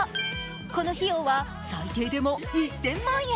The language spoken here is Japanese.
この費用は最低でも１０００万円。